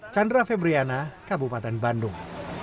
chandra febriana kabupaten bandung